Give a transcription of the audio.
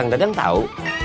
kang dadang tau